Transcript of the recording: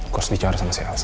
kurus bicara sama si elsa